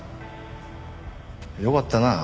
よかったなあ。